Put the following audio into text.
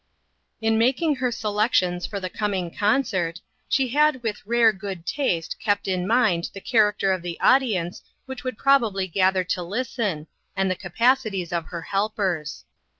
In making her selections for the coming concert, she had with rare good taste kept in mind the character of the audience which would probably gather to listen, and the capacities of her helpers.